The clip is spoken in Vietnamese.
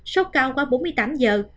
sốt cao qua bốn mươi tám giờ